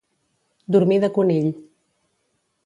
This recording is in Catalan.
Dormir de conill.